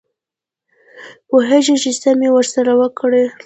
پوهېږې چې څه مې ورسره وکړل.